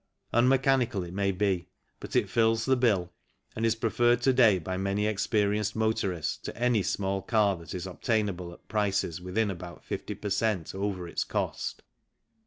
Unmechanical it may be, but it fills the bill and is preferred to day by many experienced motorists to any small car that is obtainable at prices within about 50 per cent, over its cost.